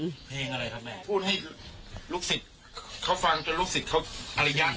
เพลงอะไรครับแม่